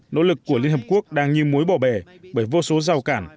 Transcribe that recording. nỗ lực của liên hợp quốc đang như mối bỏ bể bởi vô số rào cản